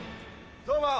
どうも。